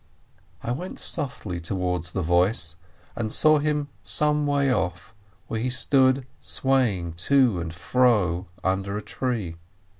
I went softly towards the voice, and saw him some way off, where he stood swaying to and fro under a tree.